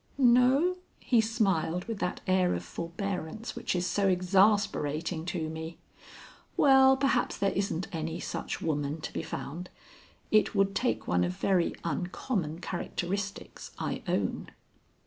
"No?" he smiled with that air of forbearance which is so exasperating to me. "Well, perhaps there isn't any such woman to be found. It would take one of very uncommon characteristics, I own."